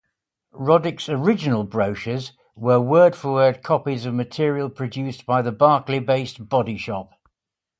Roddick's original brochures were word-for-word copies of material produced by the Berkeley-based Body Shop.